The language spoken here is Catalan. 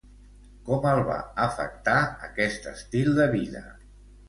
Com el va afectar aquest estil de vida?